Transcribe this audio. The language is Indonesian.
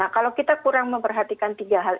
kalau kita kurang memperhatikan tiga hal